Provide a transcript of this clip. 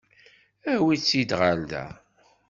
Awi-tt-id ɣer da.